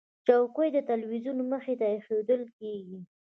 چوکۍ د تلویزیون مخې ته ایښودل کېږي.